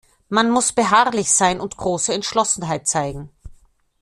Man muss beharrlich sein und große Entschlossenheit zeigen.